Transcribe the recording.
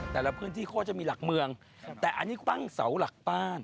แต่ละพื้นที่เขาจะมีหลักเมืองแต่อันนี้ตั้งเสาหลักบ้าน